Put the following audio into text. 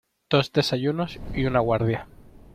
dos desayunos y una guardia.